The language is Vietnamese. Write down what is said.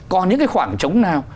có những khoảng trống nào